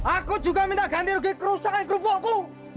aku juga minta ganti rugi kerusakan kerupukku